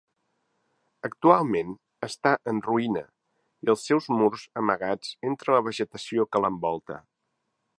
Actualment està en ruïna i els seus murs amagats entre la vegetació que l'envolta.